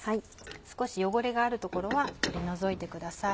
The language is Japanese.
少し汚れがある所は取り除いてください。